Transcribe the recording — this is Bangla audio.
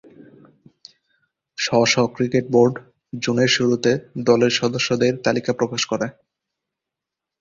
স্ব-স্ব ক্রিকেট বোর্ড জুনের শুরুতে দলের সদস্যদের তালিকা প্রকাশ করে।